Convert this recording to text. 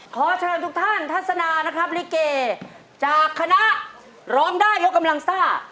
ขอเชิญทุกท่านทัศนานะครับลิเกจากคณะร้องได้ยกกำลังซ่า